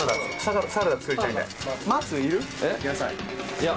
いや。